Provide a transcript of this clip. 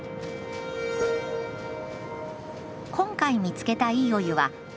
今回見つけた「いいお湯は」